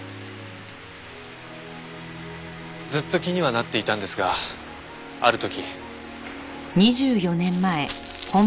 ずっと気にはなっていたんですがある時。